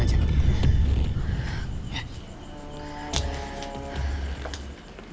jadi wulan ngikutin tante ke rumah om gunawan